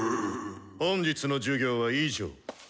本日の授業は以上。